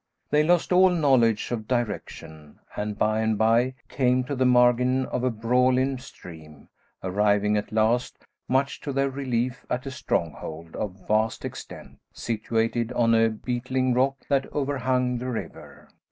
They lost all knowledge of direction, and, by and by, came to the margin of a brawling stream, arriving at last, much to their relief, at a stronghold of vast extent, situated on a beetling rock that overhung the river.